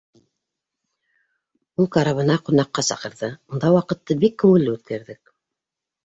Ул карабына ҡунаҡҡа саҡырҙы, унда ваҡытты бик күңелле үткәрҙек.